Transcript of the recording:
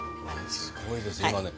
すごいですね。